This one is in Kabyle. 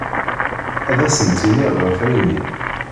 Ad asent-iniɣ ɣef ayenni.